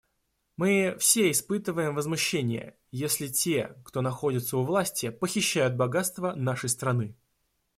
Мы все испытываем возмущение, если те, кто находится у власти, похищают богатства нашей страны.